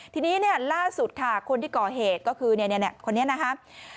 ทีนี้เนี่ยล่าสุดค่ะคนที่ก่อเหตุก็คือคนนี้นะครับ